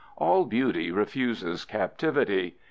All beauty refuses captivity.